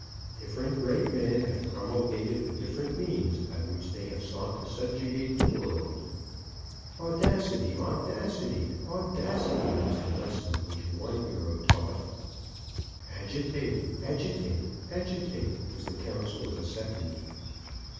Different great men have promulgated the different means by which they have sought to subjugate the world. "Audacity audacity audacity," was the lesson which one hero taught. "Agitate agitate agitate," was the counsel of a second.